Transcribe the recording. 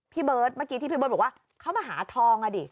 เบิร์ตเมื่อกี้ที่พี่เบิร์ตบอกว่าเขามาหาทองอ่ะดิ